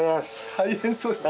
大変そうですね。